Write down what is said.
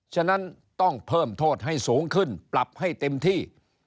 ฉะนั้นต้องเพิ่มโทษให้สูงขึ้นปรับให้เต็มที่